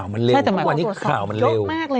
เป็นวันนี้ข่าวมันเลว